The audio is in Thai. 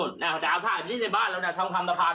นี่อ้าวให้ไม่ไห้กี่ลำนึกว่า๙ลำมึงว่าพอมั้ย